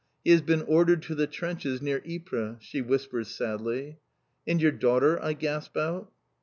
"He has been ordered to the trenches near Ypres!" she whispers sadly. "And your daughter," I gasp out.